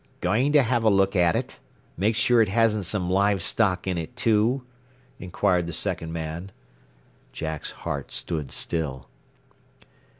"Going to have a look at it? Make sure it hasn't some live stock in it too?" inquired the second man. Jack's heart stood still.